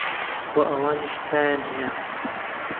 وە ئەوانیش تایان هەیە